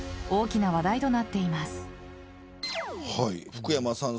福山さん